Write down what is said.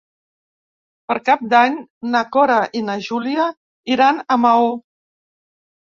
Per Cap d'Any na Cora i na Júlia iran a Maó.